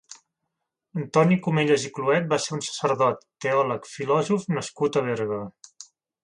Antoni Comellas i Cluet va ser un sacerdot, teòleg, filòsof nascut a Berga.